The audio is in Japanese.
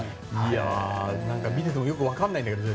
見ていてもよくわかんないんだけど。